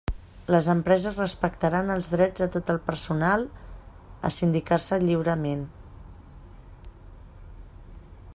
Les empreses respectaran els drets de tot el personal a sindicar-se lliurement.